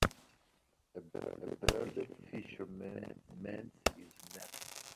A bearded fisherman mends his net.